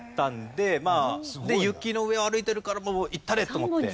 で雪の上を歩いてるからもういったれ！と思って。